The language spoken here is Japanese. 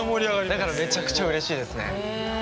だからめちゃくちゃうれしいですね。